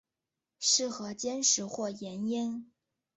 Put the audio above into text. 适合煎食或盐腌。